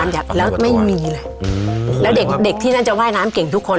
แล้วไม่มีเลยแล้วเด็กเด็กที่นั่นจะว่ายน้ำเก่งทุกคน